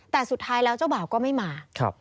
แต่สุดท้ายแล้วเจ้าบ่าวก็ไม่มา